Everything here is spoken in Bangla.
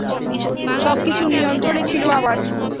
সবকিছু নিয়ন্ত্রণে ছিল আমার!